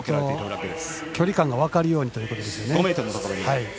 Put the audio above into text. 距離感が分かるようにということですね。